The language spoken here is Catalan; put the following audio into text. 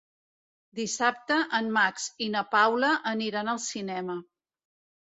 Dissabte en Max i na Paula aniran al cinema.